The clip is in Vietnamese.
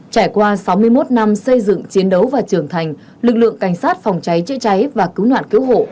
trải qua sáu mươi một năm xây dựng chiến đấu và trưởng thành lực lượng cảnh sát phòng cháy chữa cháy và cứu nạn cứu hộ